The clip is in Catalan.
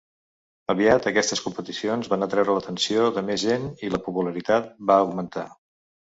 Aviat aquestes competicions van atreure l'atenció de més gent i la popularitat va augmentar.